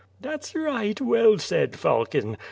"That's right, well said, falcon.